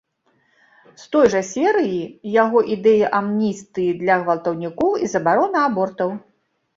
З той жа серыі яго ідэя амністыі для гвалтаўнікоў і забарона абортаў.